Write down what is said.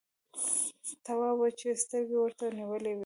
تواب وچې سترګې ورته نيولې وې…